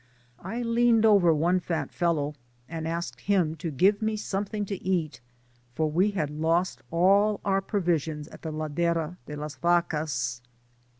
I leaned over one fat fellow, and asked him to give me something to eat, for we had lost all our provi sions at the Ladera de las Vacas.